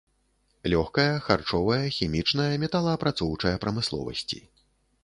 Лёгкая, харчовая, хімічная, металаапрацоўчая прамысловасці.